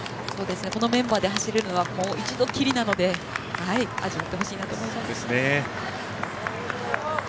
このメンバーで走るのは一度きりなので味わってほしいなと思います。